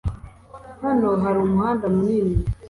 Hano hari umuhanda munini